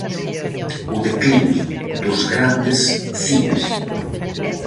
O declive dos grandes cines.